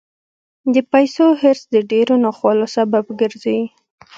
د پیسو حرص د ډېرو ناخوالو سبب ګرځي.